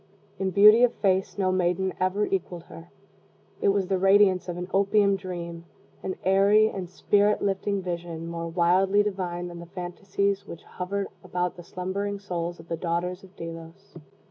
In beauty of face no maiden ever equaled her. It was the radiance of an opium dream an airy and spirit lifting vision more wildly divine than the phantasies which hovered about the slumbering souls of the daughters of Delos.